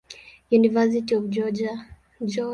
University of Georgia.